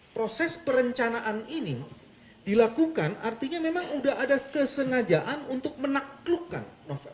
proses perencanaan ini dilakukan artinya memang sudah ada kesengajaan untuk menaklukkan novel